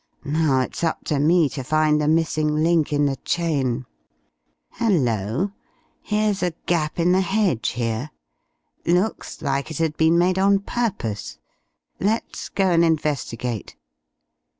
Now it's up to me to find the missing link in the chain.... Hello! here's a gap in the hedge here. Looks like it had been made on purpose. Let's go and investigate."